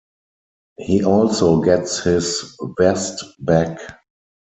He also gets his vest back.